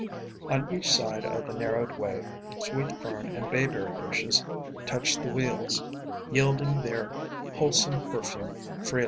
On each side of the narrowed way, Sweet Fern and Bayberry bushes touched the wheels, yielding their wholesome perfume freely.